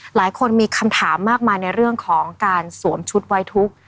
หลายคนมีคำถามมากมายในเรื่องของการสวมชุดไว้ทุกข์